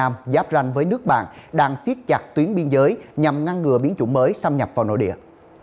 tây nam giáp ranh với nước bạn đang xiết chặt tuyến biên giới nhằm ngăn ngừa biến chủng mới xâm nhập vào nội địa